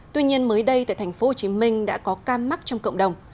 tuy nhiên mới đây tại tp hcm đã có cam mắc trong cộng đồng